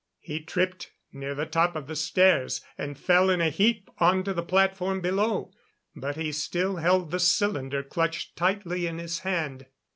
He tripped near the top of the stairs and fell in a heap onto the platform below, but he still held the cylinder clutched tightly in his hand.